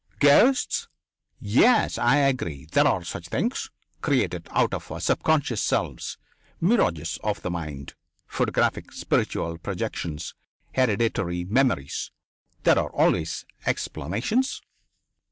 "Ghosts. Yes, I agree; there are such things. Created out of our subconscious selves; mirages of the mind; photographic spiritual projections; hereditary memories. There are always explanations."